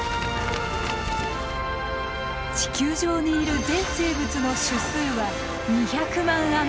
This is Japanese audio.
地球上にいる全生物の種数は２００万余り。